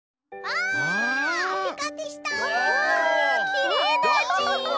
きれいだち。